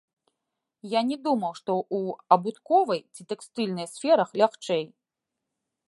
Я не думаў, што ў абутковай ці тэкстыльнай сферах лягчэй.